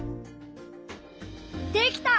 できた！